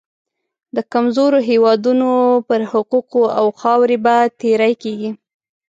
د کمزورو هېوادونو پر حقوقو او خاورې به تیری کېږي.